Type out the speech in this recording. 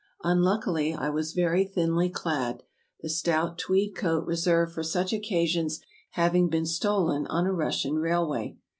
Unluckily I was very thinly clad, the stout tweed coat reserved for such occasions having been stolen on a Russian railway.